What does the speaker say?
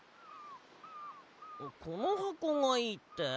このはこがいいって？